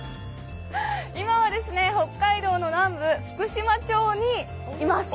今はですね北海道の南部福島町にいます。